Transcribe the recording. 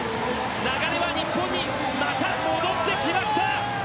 流れは日本にまた戻ってきました！